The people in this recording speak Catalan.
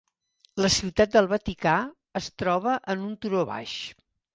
La Ciutat del Vaticà es troba en un turó baix.